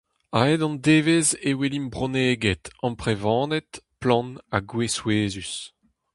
A-hed an devezh e welimp bronneged, amprevaned, plant ha gwez souezhus.